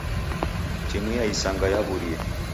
Timu ya isanga yaw'urie.